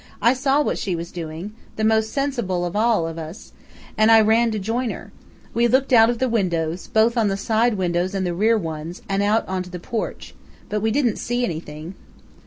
"I saw what she was doing the most sensible of all of us and I ran to join her. We looked out of the windows, both the side windows and the rear ones, and out onto the porch. But we didn't see anything."